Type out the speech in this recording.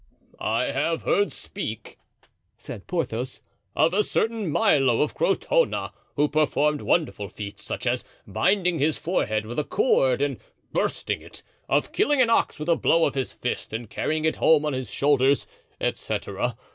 "I have heard speak," said Porthos, "of a certain Milo of Crotona, who performed wonderful feats, such as binding his forehead with a cord and bursting it—of killing an ox with a blow of his fist and carrying it home on his shoulders, et cetera.